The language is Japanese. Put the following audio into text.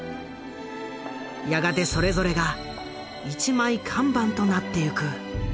やがてそれぞれが一枚看板となっていく。